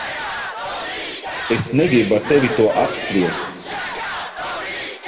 Es negribu ar tevi to apspriest.